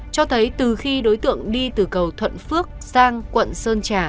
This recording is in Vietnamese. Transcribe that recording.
cho thấy từ khi đối tượng đi từ cầu thuận phước sang quận sơn trà